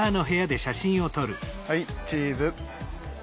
はいチーズ！